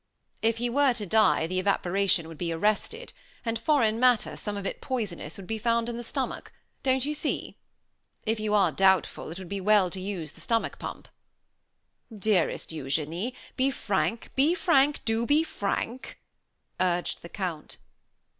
"If he were to die the evaporation would be arrested, and foreign matter, some of it poisonous, would be found in the stomach, don't you see? If you are doubtful, it would be well to use the stomach pump." "Dearest Eugenie, be frank, be frank, do be frank," urged the Count.